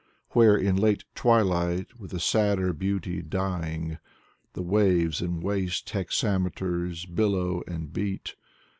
Where in late twilight with a sadder beauty dying The waves in waste hexameters billow and beat.